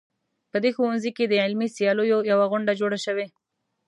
په دې ښوونځي کې د علمي سیالیو یوه غونډه جوړه شوې